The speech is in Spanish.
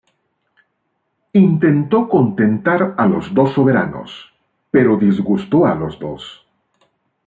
Intentó contentar a los dos soberanos; pero disgustó a los dos.